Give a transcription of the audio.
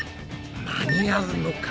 間に合うのか？